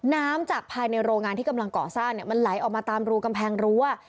น้ำจากภายในโรงงานที่กำลังก่อสร้างมันไหลออกมาตามรูกำแพงรั้ว